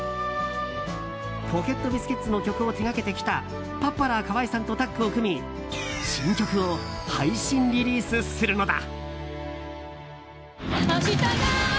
ポケットビスケッツの曲を手掛けてきたパッパラー河合さんとタッグを組み新曲を配信リリースするのだ。